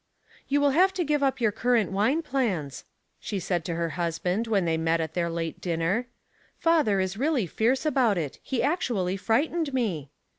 " You will have to give up your currant wine plans," she said to her husband when they met The Force of Argument, 225 at their late dinner. *' Father is really fierce about it. He actually frightened me."